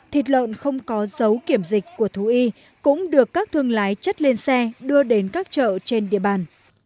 thịt lợn không có dấu kiểm dịch của thú y cũng được các thương lái chất lên xe đưa đến các chợ trên địa bàn